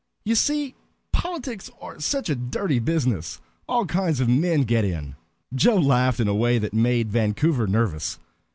You see, politics are such a dirty business all kinds of men get in." Joe laughed in a way that made Vancouver nervous.